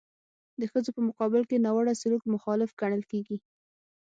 د ښځو په مقابل کې ناوړه سلوک مخالف ګڼل کیږي.